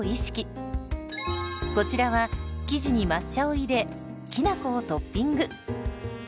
こちらは生地に抹茶を入れきなこをトッピング。